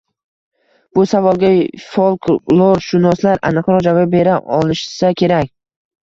Bu savolga folklorshunoslar aniqroq javob bera olishsa kerak